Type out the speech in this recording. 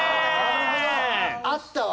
あったわ。